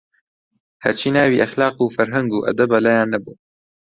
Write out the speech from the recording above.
هەرچی ناوی ئەخلاق و فەرهەنگ و ئەدەبە لایان نەبوو